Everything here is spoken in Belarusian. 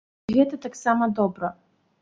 І гэта таксама добра.